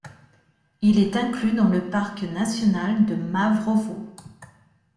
Il est inclus dans le parc national de Mavrovo.